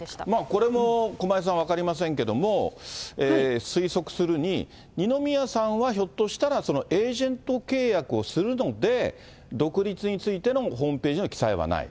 これも駒井さん、分かりませんけれども、推測するに、二宮さんはひょっとしたら、エージェント契約をするので、独立についてのホームページの記載はない。